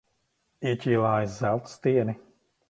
Ieķīlāja zelta stieni.